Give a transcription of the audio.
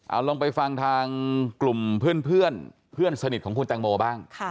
เอาลองไปฟังทางกลุ่มเพื่อนเพื่อนสนิทของคุณแตงโมบ้าง